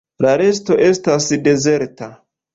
La resto estas dezerta.